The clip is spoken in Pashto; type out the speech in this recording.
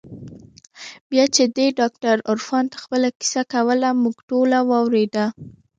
بيا چې دې ډاکتر عرفان ته خپله کيسه کوله موږ ټوله واورېده.